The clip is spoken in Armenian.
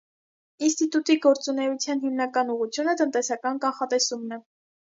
Ինստիտուտի գործունեության հիմնական ուղղությունը տնտեսական կանխատեսումն է։